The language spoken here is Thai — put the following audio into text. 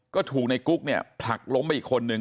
ก็ถูกในกุ๊กเนี่ยผลักล้มไปอีกคนนึง